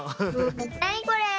何これ？